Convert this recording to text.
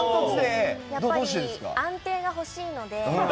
やっぱり安定が欲しいので。